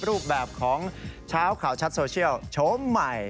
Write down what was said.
รูปแบบของเช้าข่าวชัดโซเชียลโชมใหม่